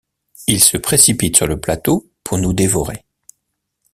Ils se précipitent sur le plateau pour nous dévorer...